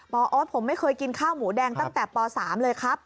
โอ๊ตผมไม่เคยกินข้าวหมูแดงตั้งแต่ป๓เลยครับ